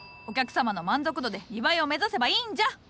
お客様の満足度で２倍を目指せばいいんじゃ！